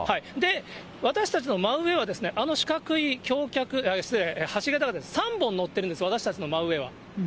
私たちの真上は、あの四角い橋桁が３本載ってるんですが、私たちの真上は。